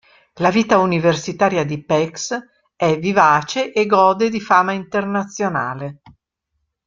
La vita universitaria di Pécs è vivace e gode di fama internazionale.